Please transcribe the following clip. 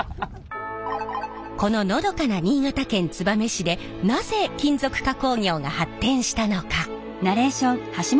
こののどかな新潟県燕市でなぜ金属加工業が発展したのか。